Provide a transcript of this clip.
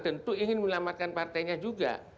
tentu ingin menyelamatkan partainya juga